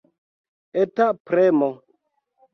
Eta premo.